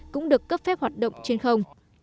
cũng được cấp phép hoạt động trên không